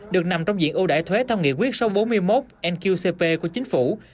được nằm trong diện ưu đại thuế theo nghị quyết số bốn mươi một nqcp của chính phủ